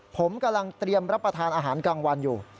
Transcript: ผมกำลังเตรียมรับประทานอาหารกลางวันอยู่